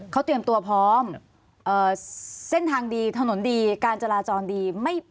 เขาเตรียมตัวพร้อมเส้นทางดีถนนดีการจราจรดี